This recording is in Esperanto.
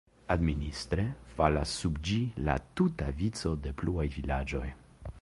Administre falas sub ĝi la tuta vico de pluaj vilaĝoj.